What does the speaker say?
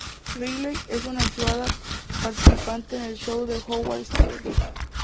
Riley es una asidua participante de "El show de Howard Stern".